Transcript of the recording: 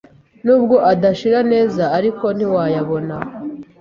Nubwo adashira neza ariko ntiwayabona